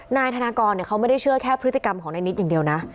นายธนากรเขาไม่ได้เชื่อแค่พฤติกรรมของนายนิดอย่างเดียวนะ